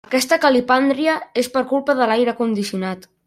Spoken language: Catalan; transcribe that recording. Aquesta calipàndria és per culpa de l'aire condicionat.